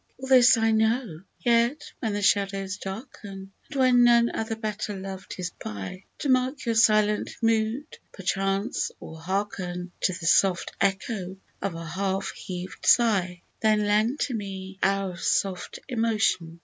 All this I know, yet when the shadows darken, And when none other better loved is by To mark your silent mood, perchance, or hearken To the soft echo of a half heaved sigh ; Then lend to me that hour of soft emotion.